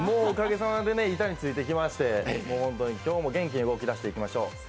おかげさまで板についてきまして、今日も元気に動き出していきましょう。